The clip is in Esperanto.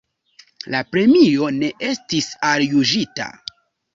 La premio ne estis aljuĝita.